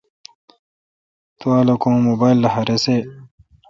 تو لو کہ اں موبایل لخہ رسے۔